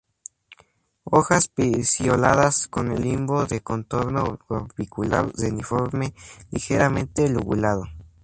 Hojas pecioladas con el limbo de contorno orbicular-reniforme, ligeramente lobulado.